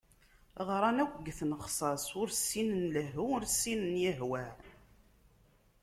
Ɣran akk deg tnexsas, ur ssinen lehhu ur ssinen ihwah.